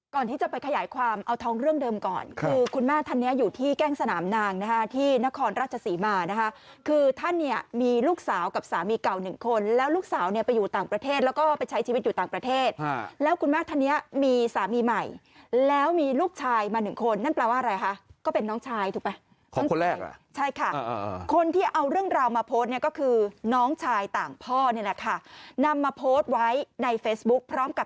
ก่อนที่จะไปขยายความเอาท้องเรื่องเดิมก่อนคือคุณมาธรรมนี้อยู่ที่แกล้งสนามนางที่นครรัชศรีมานะคะคือท่านเนี่ยมีลูกสาวกับสามีเก่า๑คนแล้วลูกสาวเนี่ยไปอยู่ต่างประเทศแล้วก็ไปใช้ชีวิตอยู่ต่างประเทศแล้วคุณมาธรรมนี้มีสามีใหม่แล้วมีลูกชายมา๑คนนั่นแปลว่าอะไรคะก็เป็นน้องชายถูกไหมของคนแรกใช่ค่ะคนที่เอา